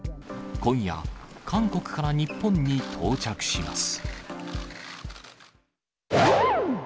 今夜、韓国から日本に到着します。